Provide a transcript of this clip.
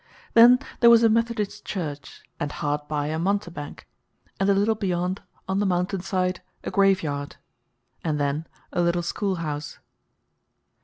Then there was a Methodist Church, and hard by a Monte Bank, and a little beyond, on the mountainside, a graveyard; and then a little schoolhouse.